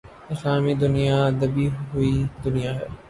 اسلامی دنیا دبی ہوئی دنیا ہے۔